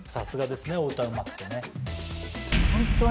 お歌うまくてね。